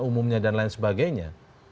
umumnya dan lain sebagainya